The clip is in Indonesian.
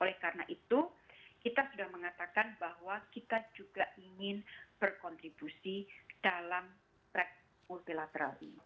oleh karena itu kita sudah mengatakan bahwa kita juga ingin berkontribusi dalam track multilateral ini